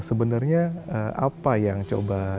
sebenarnya apa yang coba kita lakukan